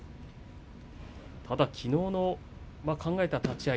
きのうの考えた立ち合い